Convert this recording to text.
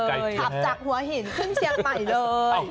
ขับจากหัวหินขึ้นเชียงใหม่เลย